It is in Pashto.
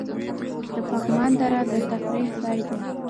د پغمان دره د تفریح ځای دی